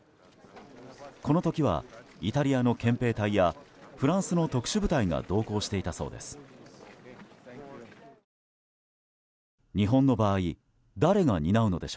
この時は、イタリアの憲兵隊やフランスの特殊部隊が同行していたそうです。